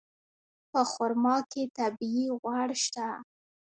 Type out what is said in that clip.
په خرما کې طبیعي غوړ شته.